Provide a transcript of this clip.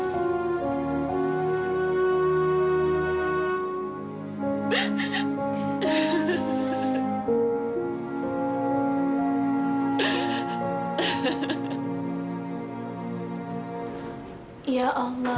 saya bisa mengaku buku saya